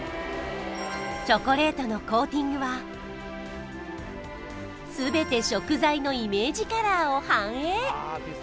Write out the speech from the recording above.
チョコレートのコーティングはすべて食材のイメージカラーを反映